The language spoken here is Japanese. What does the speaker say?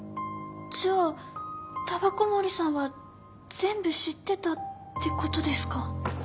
じゃあ煙草森さんは全部知ってたってことですか？